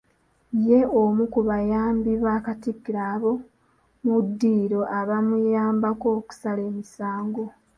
Ye omu ku bayambi ba Katikkiro ab'omu ddiiro abamuyambako okusala emisango.